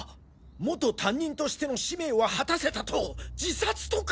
元担任としての使命は果たせたと自殺とか！？